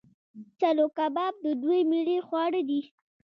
چلو کباب د دوی ملي خواړه دي.